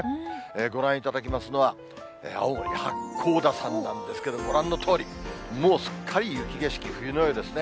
ご覧いただきますのは、青森・八甲田山なんですけど、ご覧のとおり、もうすっかり雪景色、冬のようですね。